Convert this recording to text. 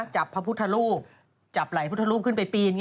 จับพระพุทธรูปจับไหลพุทธรูปขึ้นไปปีน